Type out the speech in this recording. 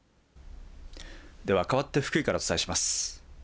では、かわって福井からお伝えします。